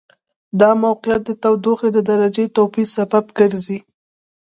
دا موقعیت د تودوخې د درجې توپیر سبب ګرځي.